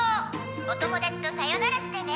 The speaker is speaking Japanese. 「お友達とさよならしてね」